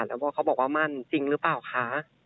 แล้วพ่อเขาบอกว่ามั่นจริงหรือเปล่าคะ